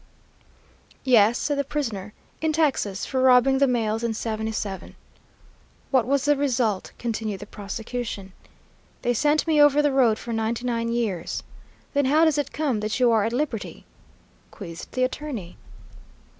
"'Yes,' said the prisoner, 'in Texas, for robbing the mails in '77.' "'What was the result?' continued the prosecution. "'They sent me over the road for ninety nine years.' "'Then how does it come that you are at liberty?' quizzed the attorney.